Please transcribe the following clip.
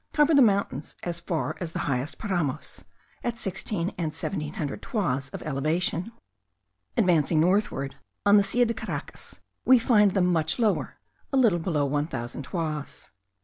cover the mountains as far as the highest paramos, at sixteen and seventeen hundred toises of elevation. Advancing northward, on the Silla de Caracas, we find them much lower, a little below one thousand toises.